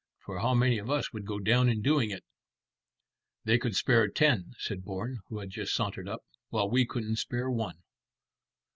For how many of us would go down in doing it?" "They could spare ten," said Bourne, who had just sauntered up, "while we couldn't spare one."